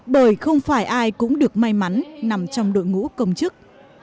bởi không phải ai cũng được may mắn nằm trong đội ngũ công chức